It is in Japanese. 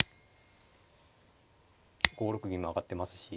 ５六銀も上がってますし。